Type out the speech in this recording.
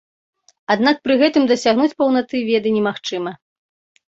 Аднак пры гэтым дасягнуць паўнаты веды немагчыма.